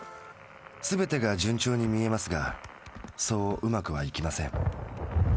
すべてが順調に見えますがそううまくはいきません。